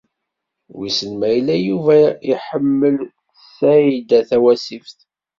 Wissen ma yella Yuba iḥemmel Saɛida Tawasift.